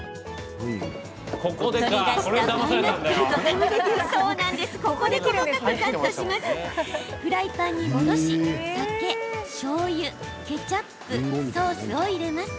取り出したパイナップルとたまねぎを細かくカットしたらフライパンに戻し酒、しょうゆ、ケチャップソースを入れます。